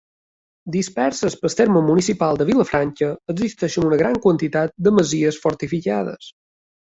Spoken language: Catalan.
Disperses pel terme municipal de Vilafranca existeixen una gran quantitat de masies fortificades.